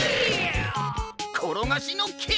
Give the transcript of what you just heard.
ころがしのけい！